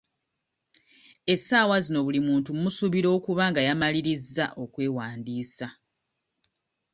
Essaawa zino buli muntu mmusuubira okuba nga yamalirizza okwewandiisa.